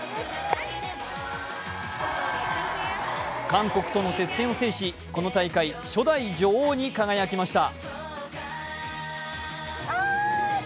韓国との接戦を制し、この大会、初代女王に輝きました。